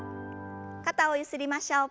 肩をゆすりましょう。